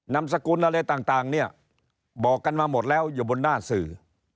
นามสกุลอะไรต่างเนี่ยบอกกันมาหมดแล้วอยู่บนหน้าสื่อ